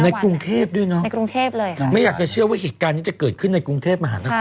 ในกรุงเทพฯด้วยเนอะไม่อยากจะเชื่อว่าเหตุการณ์นี้จะเกิดขึ้นในกรุงเทพฯมหาคม